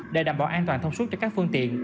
để đảm bảo an toàn thông suốt cho các phương tiện